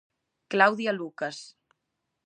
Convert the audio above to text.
Claudia Lucas.